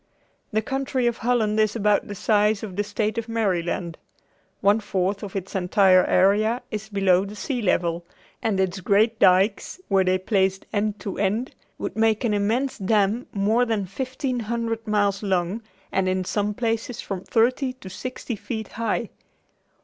The country of Holland is about the size of the state of Maryland. One fourth of its entire area is below the sea level, and its great dykes were they placed end to end, would make an immense dam more than fifteen hundred miles long and in some places from thirty to sixty feet high.